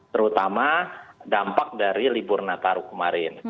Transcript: terutama dampak dari libur nataru kemarin